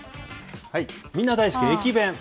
みんな大好き駅弁。